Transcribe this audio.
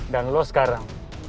dan lo sekarang